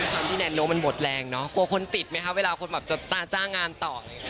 ความที่แนนโน้มันหมดแรงเนอะกลัวคนติดไหมคะเวลาคนแบบจะจ้างงานต่อ